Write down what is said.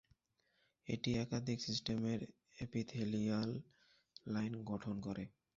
এটি একাধিক সিস্টেমের এপিথেলিয়াল লাইন গঠন করে।